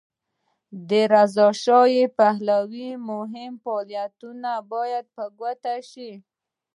د رضاشاه پهلوي مهم فعالیتونه باید په ګوته شي.